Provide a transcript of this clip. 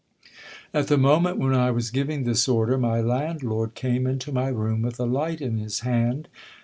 At the moment when I was giving this order, my landlord came into my room with a light in his hand.